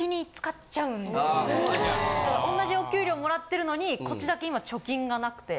同じお給料貰ってるのにこっちだけ今貯金がなくて。